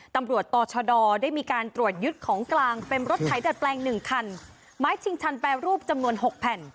ตำรวจต่อชดได้มีการตรวจยึดของกลางเป็นรถไถดัดแปลงหนึ่งคันไม้ชิงชันแปรรูปจำนวนหกแผ่น